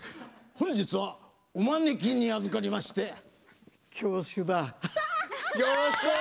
本日はお招きにあずかりまして恐縮だ。